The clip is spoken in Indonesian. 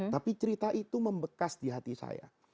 tapi cerita itu membekas di hati saya